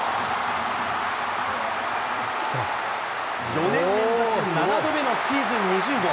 ４年連続７度目のシーズン２０号。